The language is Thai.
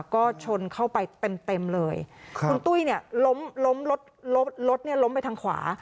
ก็ชนเข้าไปเต็มเลยคุณตุ้ยล้มรถล้มไปทางขวา